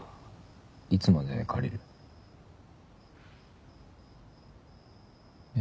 いつまで借りる？え？